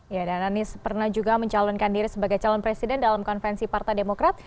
ya dan anies pernah juga mencalonkan diri sebagai calon presiden dalam konvensi partai demokrat